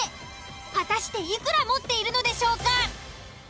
果たしていくら持っているのでしょうか？